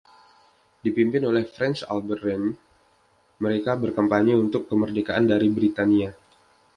Dipimpin oleh France Albert Rene, mereka berkampanye untuk kemerdekaan dari Britania.